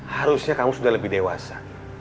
harusnya kamu sudah lebih dewasa